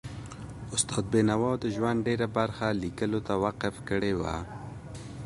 استاد بینوا د ژوند ډېره برخه لیکلو ته وقف کړي وه.